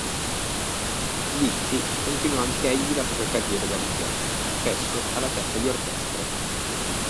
Dizzy continuò anch'egli la propria carriera da leader, spesso alla testa di orchestre.